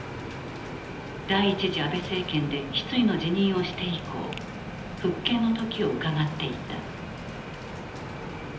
第１次安倍政権で失意の辞任をして以降復権の時をうかがっていた。